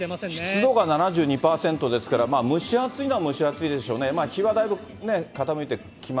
湿度が７２％ですから、蒸し暑いのは蒸し暑いでしょうね。